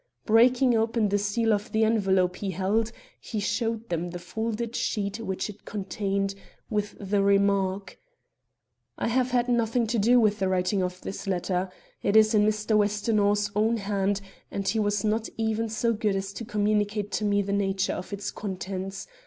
Breaking open the seal of the envelope he held, he showed them the folded sheet which it contained, with the remark: "I have had nothing to do with the writing of this letter. It is in Mr. Westonhaugh's own hand, and he was not even so good as to communicate to me the nature of its contents.